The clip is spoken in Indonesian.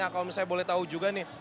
kalau misalnya boleh tahu juga nih